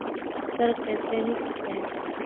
ترك سامي الإسلام.